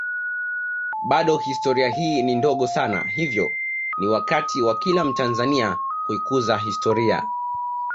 Bado historia hii ni ndogo sana hivyo ni wakati wa kila mtanzania kuikuza historia